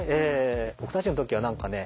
僕たちの時は何かね